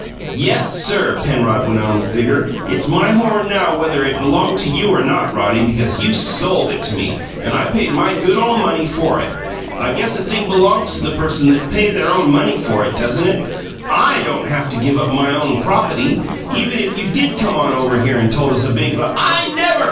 "YES, sir!" Penrod went on with vigour. "It's my horn now whether it belonged to you or not, Roddy, because you SOLD it to me and I paid my good ole money for it. I guess a thing belongs to th`, person that paid their own money for it, doesn't it? I don't haf to give up my own propaty, even if you did come on over here and told us a big l " "I NEVER!"